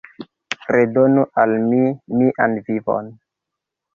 Redonu al mi mian vivon!